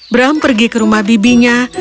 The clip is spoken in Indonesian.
bram pergi ke rumah bibinya